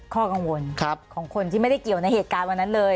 ข้อกังวลของคนที่ไม่ได้เกี่ยวในเหตุการณ์วันนั้นเลย